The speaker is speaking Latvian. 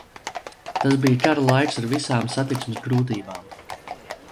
Tas bija kara laiks, ar visām satiksmes grūtībām.